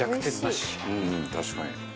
齊藤：うん、確かに。